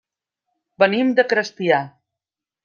Venim de Crespià.